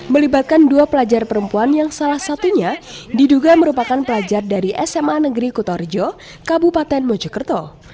melibatkan dua pelajar perempuan yang salah satunya diduga merupakan pelajar dari sma negeri kutorjo kabupaten mojokerto